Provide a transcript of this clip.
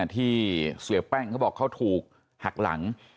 ที่เสียแป้งเขาบอกเขาถูกหักหลัง